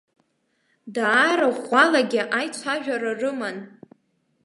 Даара ӷәӷәалагьы аицәажәара рыман.